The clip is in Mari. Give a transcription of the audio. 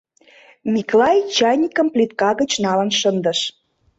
Миклай чайникым плитка гыч налын шындыш.